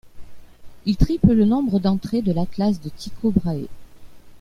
Il triple le nombre d'entrées de l'atlas de Tycho Brahe.